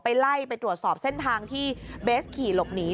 ไล่ไปตรวจสอบเส้นทางที่เบสขี่หลบหนี